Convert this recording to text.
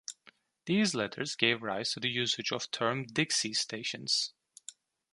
These letters gave rise to usage of the term Dixie Stations.